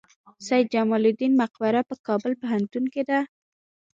سید جمال الدین مقبره په کابل پوهنتون کې ده؟